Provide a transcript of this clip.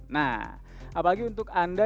nah apalagi untuk anda